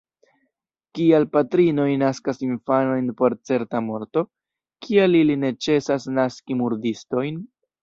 Kial patrinoj naskas infanojn por certa morto? Kial ili ne ĉesas naski murdistojn?